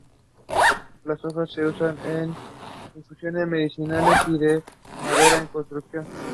Las hojas se usan en infusiones medicinales y la madera en construcción.